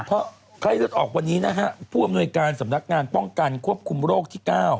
เพราะไข้เลือดออกวันนี้นะฮะผู้อำนวยการสำนักงานป้องกันควบคุมโรคที่๙